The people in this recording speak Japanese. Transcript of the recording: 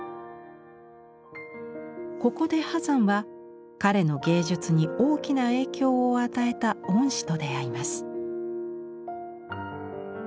ここで波山は彼の芸術に大きな影響を与えた恩師と出会います。